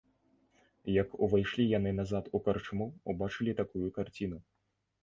Як увайшлі яны назад у карчму, убачылі такую карціну.